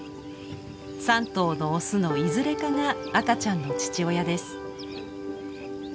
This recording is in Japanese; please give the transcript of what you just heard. ３頭のオスのいずれかが赤ちゃんの父親です。